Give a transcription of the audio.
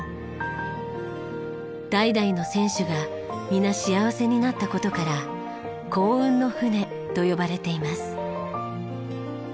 代々の船主が皆幸せになった事から幸運の船と呼ばれています。